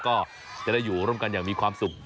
ก็จะได้อยู่ร่วมกันอย่างมีความสุข